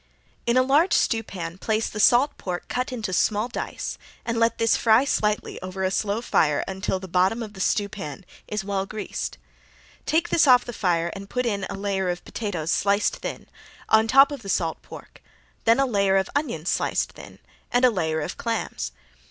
In a large stewpan place the salt pork cut into small dice, and let this fry slightly over a slow fire until the bottom of the stewpan is well greased. Take this off the fire and put in a layer of potatoes sliced thin, on top of the salt pork, then a layer of onions sliced thin, and a layer of clams.